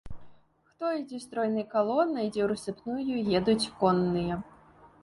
Хто ідзе стройнай калонай, дзе ў рассыпную едуць конныя.